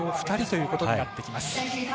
２人ということになってきます。